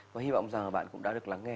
và hy vọng rằng bạn cũng đã được lắng nghe